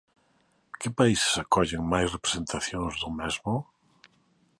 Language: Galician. Que países acollen máis representacións do mesmo?